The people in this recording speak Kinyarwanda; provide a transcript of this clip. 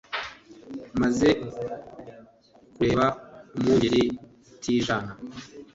maze ukareba umwungeri utijana.